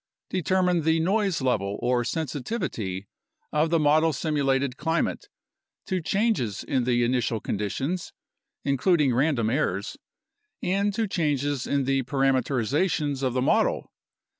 Determine the noise level or sensitivity of the model simulated climate to changes in the initial conditions (including random errors) and to changes in the parameterizations of the model.